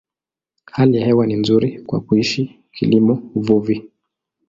Hali ya hewa ni nzuri kwa kuishi, kilimo, uvuvi.